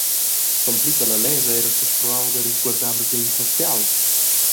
Tonpli che la lescha ha era sespruau da risguardar basegns socials.